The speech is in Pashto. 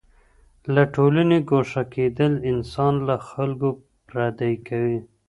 له ټولني ګوښه کېدل انسان له خلګو پردی کوي.